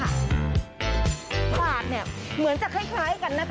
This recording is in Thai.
บาทเนี่ยเหมือนจะคล้ายกันนะจ๊